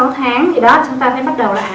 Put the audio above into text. năm sáu tháng thì đó chúng ta mới bắt đầu là